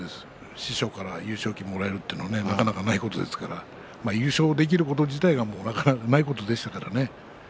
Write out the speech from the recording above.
師匠から優勝旗をもらえるというのはなかなかないことですから優勝できること自体、なかなかないことでしたからね。